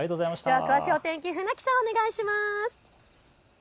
では詳しいお天気、船木さんお願いします。